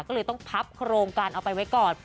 ก็เลยต้องพับโครงการเอาไปไว้ก่อน